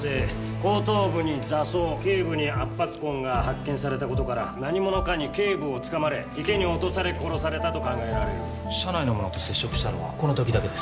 後頭部に挫創頸部に圧迫痕が発見されたことから何者かに頸部をつかまれ池に落とされ殺されたと考えられる社内の者と接触したのはこの時だけです